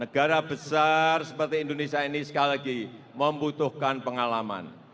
negara besar seperti indonesia ini sekali lagi membutuhkan pengalaman